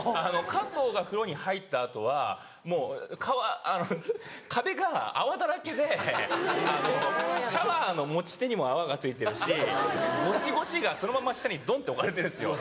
加藤が風呂に入った後はもうあの壁が泡だらけでシャワーの持ち手にも泡が付いてるしゴシゴシがそのまま下にドンって置かれてるんですよ。